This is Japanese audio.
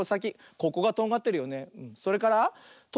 ここがとんがってるよね。